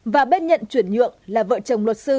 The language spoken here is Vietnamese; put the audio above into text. và bên nhận chuyển nhượng là vợ chồng luật sư